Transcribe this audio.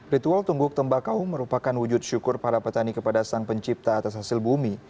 ritual tungguk tembakau merupakan wujud syukur para petani kepada sang pencipta atas hasil bumi